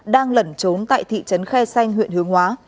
đang lẩn trốn tại thị trấn khe xanh huyện hướng hóa